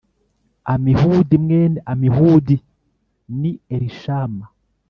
Amihudi mwene Amihudi ni Elishama